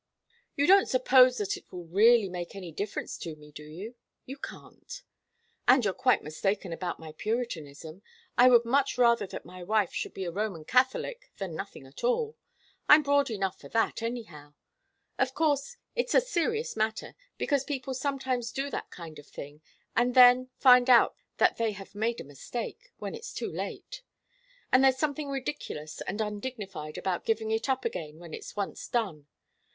You don't suppose that it will really make any difference to me, do you? You can't. And you're quite mistaken about my Puritanism. I would much rather that my wife should be a Roman Catholic than nothing at all. I'm broad enough for that, anyhow. Of course it's a serious matter, because people sometimes do that kind of thing and then find out that they have made a mistake when it's too late. And there's something ridiculous and undignified about giving it up again when it's once done.